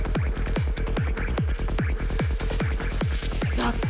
ちょっと！